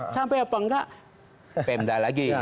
sampai apa enggak pemda lagi